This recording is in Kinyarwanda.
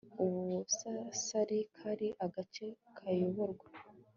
u busarasi kari agace kayoborwa